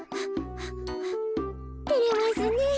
てれますねえ。